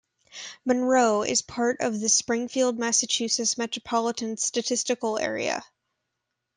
Monroe is part of the Springfield, Massachusetts Metropolitan Statistical Area.